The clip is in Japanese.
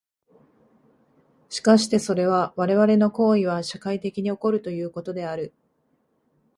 しかしてそれは我々の行為は社会的に起こるということである。